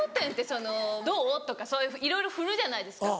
その「どう？」とかそういういろいろふるじゃないですか。